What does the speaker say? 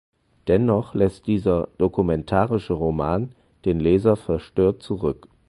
Dennoch lässt dieser „Dokumentarische Roman“ den Leser verstört zurück.